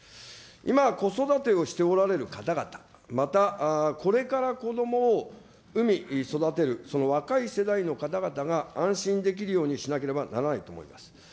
今、子育てをしておられる方々、またこれから子どもを産み育てる、その若い世代の方々が安心できるようにしなければならないと思います。